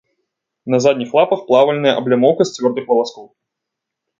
На задніх лапах плавальная аблямоўка з цвёрдых валаскоў.